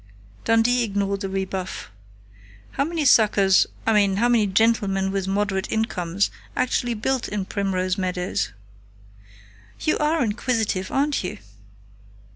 Dundee ignored the rebuff. "How many suckers I mean, how many gentlemen with moderate incomes actually built in Primrose Meadows?" "You are inquisitive, aren't you?...